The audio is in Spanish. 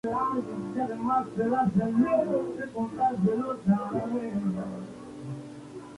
Ubicada en Chile, Concepción.